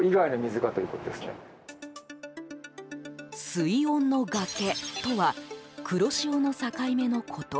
水温の崖とは黒潮の境目のこと。